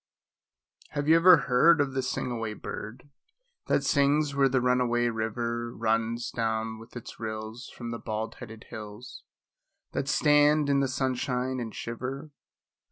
Have you ever heard of the sing away bird, That sings where the run away river Runs down with its rills from the bald headed hills That stand in the sunshine and shiver?